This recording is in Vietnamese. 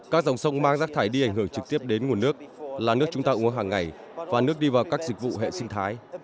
các dòng sông mang rác thải đi ảnh hưởng trực tiếp đến nguồn nước là nước chúng ta uống hàng ngày và nước đi vào các dịch vụ hệ sinh thái